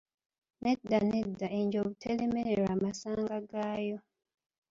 Nedda, nedda, enjovu teremererwa masanga gaayo.